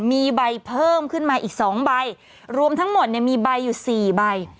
มีใบเพิ่มขึ้นมาอีกสองใบรวมทั้งหมดเนี่ยมีใบอยู่สี่ใบ